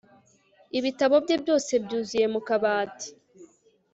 ibitabo bye byose byuzuye mu kabati